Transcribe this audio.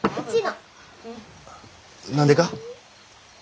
何でか？